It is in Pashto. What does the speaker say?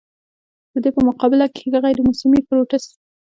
د دې پۀ مقابله کښې غېر موسمي فروټس